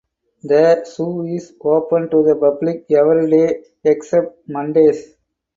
The zoo is open to the public everyday except Mondays.